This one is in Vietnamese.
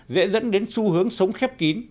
dễ dẫn đến xu hướng sống khép kín